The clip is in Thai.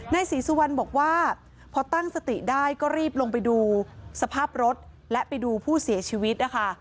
ศรีสุวรรณบอกว่าพอตั้งสติได้ก็รีบลงไปดูสภาพรถและไปดูผู้เสียชีวิตนะคะ